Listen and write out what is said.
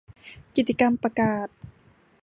กิตติกรรมประกาศ